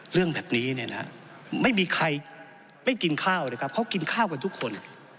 เรื่องแบบนี้เนี่ยนะไม่มีใครไม่กินข้าวเลยครับเขากินข้าวกันทุกคน